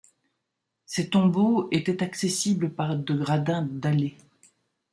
Ces tombeaux étaient accessibles par de gradins dallés.